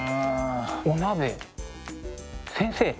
お鍋先生